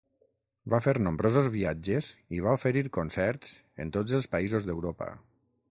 Va fer nombrosos viatges i va oferir concerts en tots els països d'Europa.